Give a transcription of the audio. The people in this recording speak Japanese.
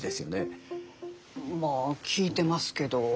まあ聞いてますけど。